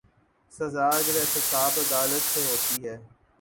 سزا اگر احتساب عدالت سے ہوتی ہے۔